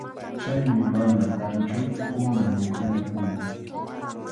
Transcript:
Chaymi mana kanchu kunan wikʼuñakuna.